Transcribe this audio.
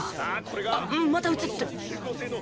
あっまた映った